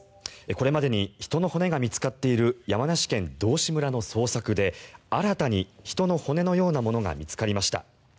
これまでに人の骨が見つかっている山梨県道志村の捜索で新たに人の骨のようなものが見つかりました。